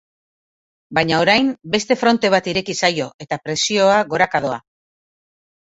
Baina orain beste fronte bat ireki zaio, eta presioa goraka doa.